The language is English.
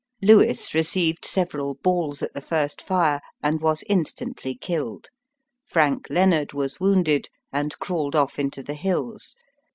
Lewis received several balls at the first fire, and was instantly killed. Frank Leonard was wounded, and crawled off into the hills.